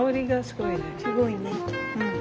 すごいね。